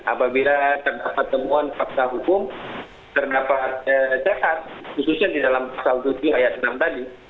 apabila terdapat temuan fakta hukum terdapat jahat khususnya di dalam pasal tujuh ayat enam tadi